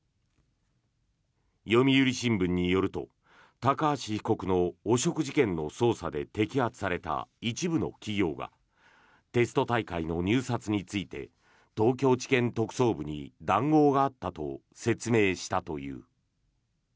読売新聞によると高橋被告の汚職事件の捜査で摘発された一部の企業がテスト大会の入札について東京地検特捜部に談合があったと説明したという。